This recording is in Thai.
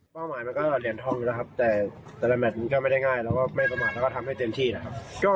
หมายมันก็เหรียญทองอยู่แล้วครับแต่แต่ละแมทมันก็ไม่ได้ง่ายเราก็ไม่ประมาทแล้วก็ทำให้เต็มที่นะครับ